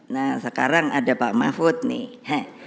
nah sekarang ada pak mahfud nih